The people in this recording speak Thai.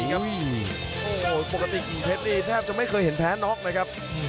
โอ้โหปกติกิ่งเพชรนี่แทบจะไม่เคยเห็นแพ้น็อกนะครับ